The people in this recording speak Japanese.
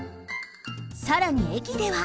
さらにえきでは。